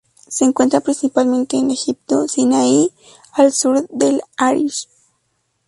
Se encuentra principalmente en Egipto, Sinaí, al sur de El Arish.